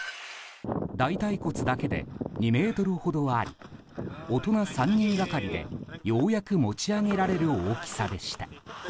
大腿骨だけで、２ｍほどあり大人３人がかりでようやく持ち上げられる大きさでした。